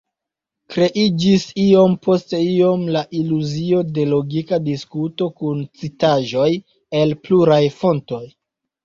Kreiĝis iom post iom la iluzio de logika diskuto kun citaĵoj el pluraj fontoj.